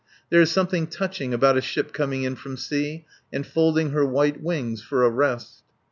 There is something touching about a ship coming in from sea and folding her white wings for a rest.